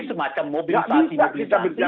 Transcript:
semacam mobil mobil yang terpulih